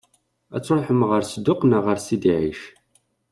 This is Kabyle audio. Ad tṛuḥem ɣer Sedduq neɣ ɣer Sidi Ɛic?